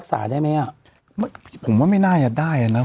สด